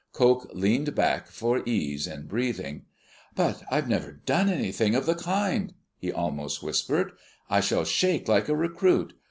Coke leaned back for ease in breathing. "But I've never done anything of the kind," he almost whispered. "I shall shake like a recruit.